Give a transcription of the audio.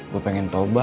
saya ingin berdoa